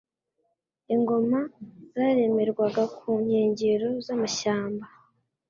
Ingoma zaremerwaga ku nkengero z'amashyamba